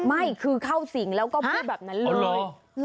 ไม่คือเข้าสิ่งแล้วก็พูดแบบนั้นเลย